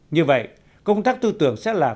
như vậy công tác tư tưởng sẽ là